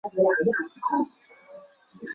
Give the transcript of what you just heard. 治所在今云阳县东北云安镇。